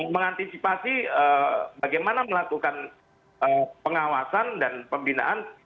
mengantisipasi bagaimana melakukan pengawasan dan pembinaan